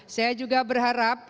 saya juga berharap